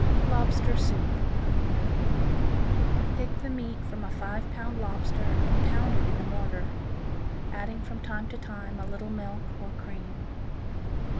Lobster Soup Pick the meat from a five pound lobster and pound it in a mortar, adding from time to time a little milk or cream.